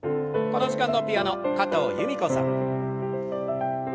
この時間のピアノ加藤由美子さん。